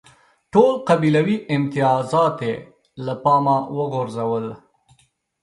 ټول قبیلوي امتیازات یې له پامه وغورځول.